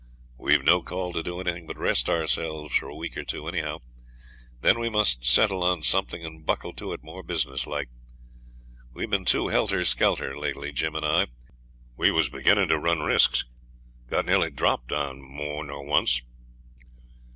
We've no call to do anything but rest ourselves for a week or two, anyhow; then we must settle on something and buckle to it more business like. We've been too helter skelter lately, Jim and I. We was beginning to run risks, got nearly dropped on more nor once.'